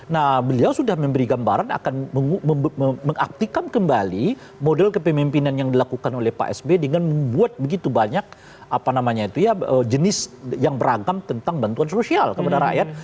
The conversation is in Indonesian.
nah beliau sudah memberi gambaran akan mengaktifkan kembali model kepemimpinan yang dilakukan oleh pak sby dengan membuat begitu banyak jenis yang beragam tentang bantuan sosial kepada rakyat